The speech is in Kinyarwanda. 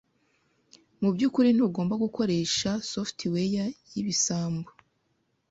Mubyukuri ntugomba gukoresha software yibisambo.